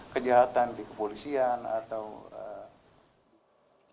kejahatan di kepolisian atau